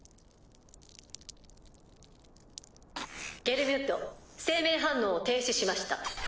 ゲルミュッド生命反応を停止しました。